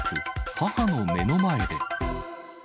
母の目の前で。